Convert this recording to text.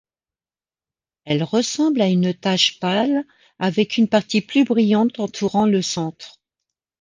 Elle ressemble à une tache pâle, avec une partie plus brillante entourant le centre.